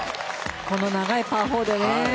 この長いパー４でね。